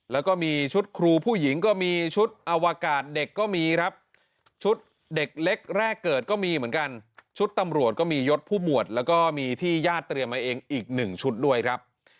แล้วก็มีชุดครูผู้หญิงก็มีชุดอวกาศเด็กก็มีครับชุดเด็กเล็กแรกเกิดก็มีเหมือนกันชุดตำรวจก็มียศผู้หมวดแล้วก็มีที่ญาติเตรียมมาเองอีกหนึ่งชุดด้วยครับ